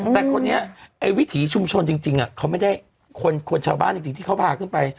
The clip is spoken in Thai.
แต่คนนี้ไอ้วิถีชุมชนจริงเขาไม่ได้คนชาวบ้านจริงที่เขาพาขึ้นไป